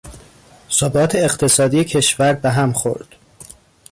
ثبات اقتصادی کشور به هم خورد.